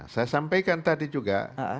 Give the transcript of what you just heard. saya sampaikan tadi juga